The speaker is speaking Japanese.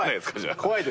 怖いです。